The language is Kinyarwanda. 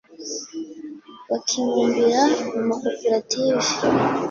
bakibumbira mu makoperative